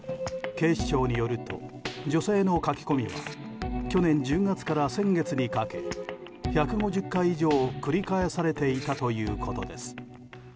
警視庁によると女性の書き込みは去年１０月から先月にかけ１５０回以上繰り返されていたということです。